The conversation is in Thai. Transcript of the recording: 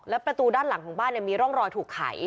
ประตูด้านหลังของบ้านมีร่องรอยถูกไข